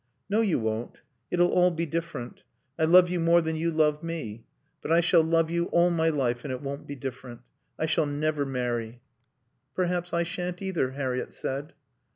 "No, you won't. It'll all be different. I love you more than you love me. But I shall love you all my life and it won't be different. I shall never marry." "Perhaps I shan't, either," Harriett said.